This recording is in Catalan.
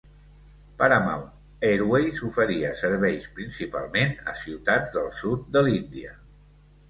Paramount Airways oferia serveis principalment a ciutats del sud de l'Índia.